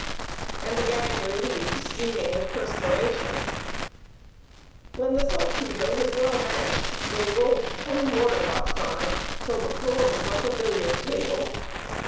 and the gang relieved streaming with perspiration. When the saltpetre was well mashed, they rolled ton waterbutts on it, till the floor was like a billiard table.